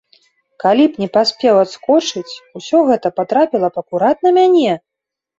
Калі б не паспеў адскочыць, усё гэта патрапіла б акурат на мяне!